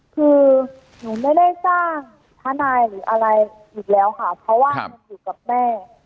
คือหนูไม่ได้สร้างทนายหรืออะไรอีกแล้วค่ะเพราะว่ามันอยู่กับแม่